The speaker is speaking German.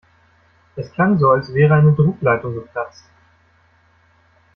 Es klang so, als wäre eine Druckleitung geplatzt.